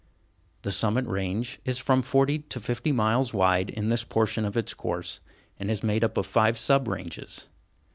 The Summit Range is from forty to fifty miles wide in this portion of its course, and is made up of about five sub ranges.